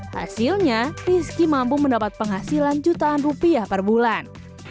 hasilnya rizky mampu mendapat penghasilan jutaan rupiah per bulan